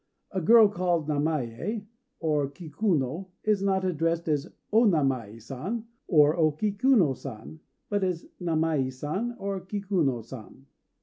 A girl called Namië or Kikuno is not addressed as "O Namië San" or "O Kikuno San," but as "Namië San," "Kikuno San."